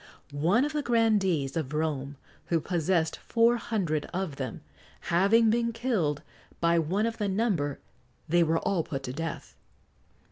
One of the grandees of Rome, who possessed four hundred of them, having been killed by one of the number, they were all put to death.